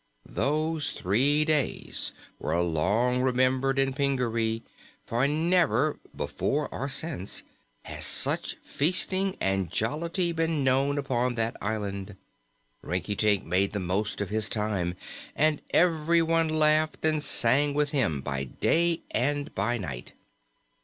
Those three days were long remembered in Pingaree, for never before nor since has such feasting and jollity been known upon that island. Rinkitink made the most of his time and everyone laughed and sang with him by day and by night.